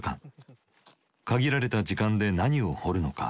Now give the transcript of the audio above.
限られた時間で何を掘るのか。